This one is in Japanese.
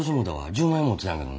１０万円持ってたんやけどな。